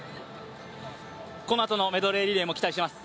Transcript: このあとのメドレーリレーも期待しています。